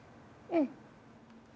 うん。